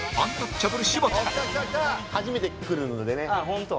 初めて来るのでね